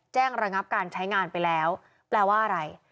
ระงับการใช้งานไปแล้วแปลว่าอะไร